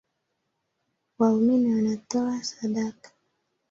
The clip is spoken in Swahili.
Waumini wanatoa sadaka